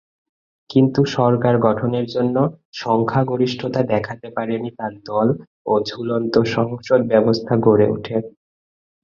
কিন্তু সরকার গঠনের জন্য সংখ্যাগরিষ্ঠতা দেখাতে পারেনি তার দল ও ঝুলন্ত সংসদ ব্যবস্থা গড়ে উঠে।